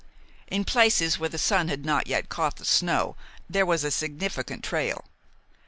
In places where the sun had not yet caught the snow there was a significant trail.